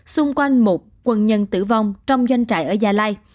xung quanh một quân nhân tử vong trong doanh trại ở gia lai